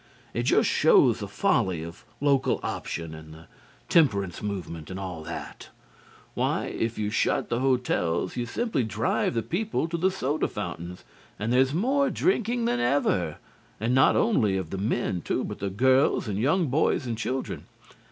It just shows the folly of Local Option and the Temperance Movement and all that. Why, if you shut the hotels you simply drive the people to the soda fountains and there's more drinking than ever, and not only of the men, too, but the girls and young boys and children.